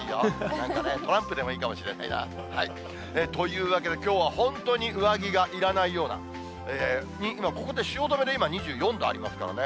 なんかね、トランプでもいいかもしれないな。というわけで、きょうは本当に上着がいらないような、今、ここで、汐留で２４度ありますからね。